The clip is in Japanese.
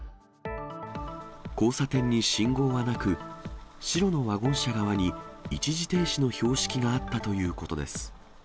交差点に信号はなく、白のワゴン車側に一時停止の標識があったということです。